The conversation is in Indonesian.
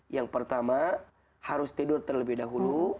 yang pertama harus tidur terlebih dahulu